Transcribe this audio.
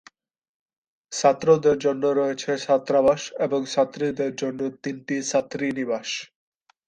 ছাত্রদের জন্য রয়েছে ছাত্রাবাস এবং ছাত্রীদের জন্য তিনটি ছাত্রীনিবাস।